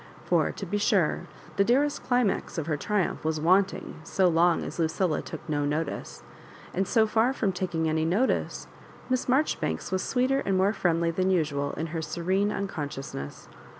For, to be sure, the dearest climax of her triumph was wanting so long as Lucilla took no notice ; and so far from taking any notice, Miss Marjoribanks was sweeter and more friendly than usual in her serene un consciousness.